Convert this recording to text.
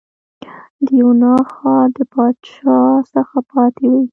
د یونا ښار د پاچا څخه پاتې وې.